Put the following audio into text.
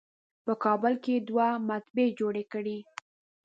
په کابل کې یې دوه مطبعې جوړې کړې.